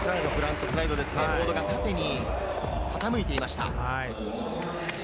フロントサイド、フロントサポールが縦に傾いていました。